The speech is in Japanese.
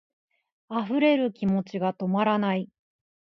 溢れる気持ちが止まらない